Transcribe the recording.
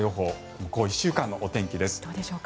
向こう１週間のお天気です。